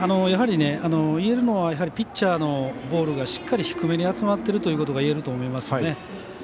やはり、いえるのはピッチャーのボールがしっかり低めに集まってるというのがいえると思いますね。